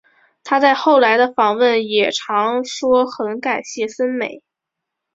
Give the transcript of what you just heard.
她在后来的访问也常说很感谢森美。